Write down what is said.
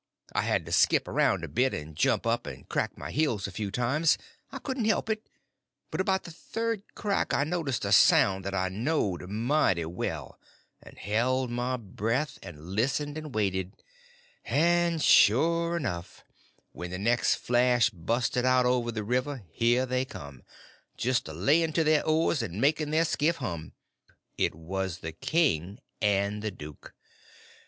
I had to skip around a bit, and jump up and crack my heels a few times—I couldn't help it; but about the third crack I noticed a sound that I knowed mighty well, and held my breath and listened and waited; and sure enough, when the next flash busted out over the water, here they come!—and just a laying to their oars and making their skiff hum! It was the king and the duke.